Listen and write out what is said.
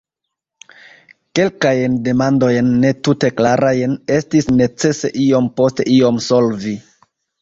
Kelkajn demandojn, ne tute klarajn, estis necese iom post iom solvi.